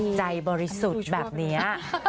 จิตใจบริสุทธิ์แบบเนี้ย